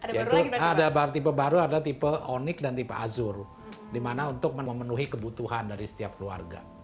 ada baru lagi pak tiffa ada tipe baru ada tipe onyx dan tipe azur dimana untuk memenuhi kebutuhan dari setiap keluarga